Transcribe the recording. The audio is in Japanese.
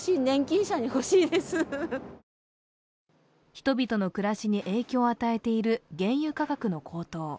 人々の暮らしに影響を与えている原油価格の高騰。